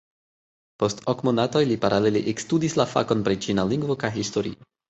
Post ok monatoj li paralele ekstudis la fakon pri ĉina lingvo kaj historio.